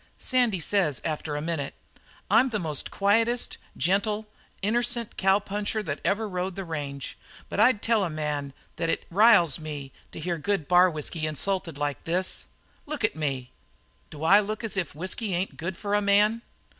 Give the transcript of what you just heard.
"Sandy says after a minute: 'I'm the most quietest, gentle, innercent cowpuncher that ever rode the range, but I'd tell a man that it riles me to hear good bar whisky insulted like this. Look at me! Do I look as if whisky ain't good for a man?'